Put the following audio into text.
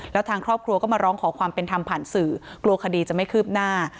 แล้วทางครอบครัวก็มาร้องขอความเป็นธรรมผ่านสื่อกลัวคดีจะไม่คืบหน้า